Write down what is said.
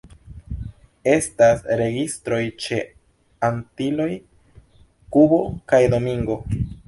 Estas registroj ĉe Antiloj, Kubo kaj Domingo.